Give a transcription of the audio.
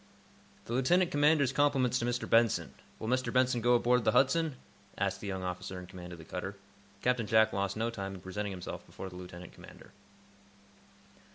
"The lieutenant commander's compliments to Mr. Benson. Will Mr. Benson go aboard the 'Hudson'?" asked the young officer in command of the cutter. Captain Jack lost no time in presenting himself before the lieutenant commander.